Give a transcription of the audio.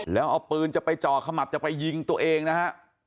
แล้วเอาปืนจะไปจ่อขมับจะไปยิงตัวเองนะฮะ